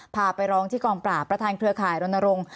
พาไปร้องที่กองปราบประธานเครือข่ายรณรงค์